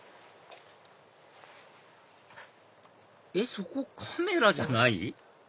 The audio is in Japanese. そこカメラじゃない？